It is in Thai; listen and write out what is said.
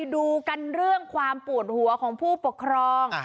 ดูกันเรื่องความปวดหัวของผู้ปกครอง